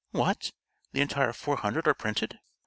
"What! the entire four hundred are printed?"